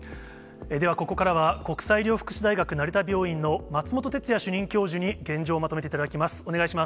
では、ここからは国際医療福祉大学成田病院の松本哲哉主任教授に現状をまとめていただきます。